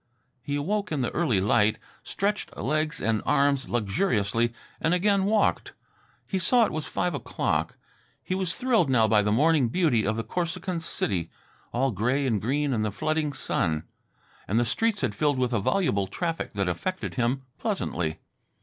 He awoke in the early light, stretched legs and arms luxuriously and again walked. He saw it was five o'clock. He was thrilled now by the morning beauty of the Corsican's city, all gray and green in the flooding sun. And the streets had filled with a voluble traffic that affected him pleasantly.